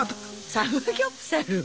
サムギョプサルを。